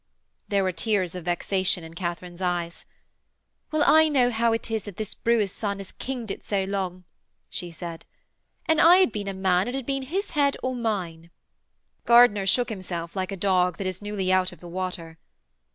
There were tears of vexation in Katharine's eyes. 'Well I know how it is that this brewer's son has king'd it so long!' she said. 'An I had been a man it had been his head or mine.' Gardiner shook himself like a dog that is newly out of the water.